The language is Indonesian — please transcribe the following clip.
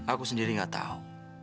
aku sendiri tidak tahu